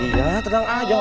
iya tenang aja